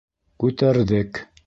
Күтәрҙек!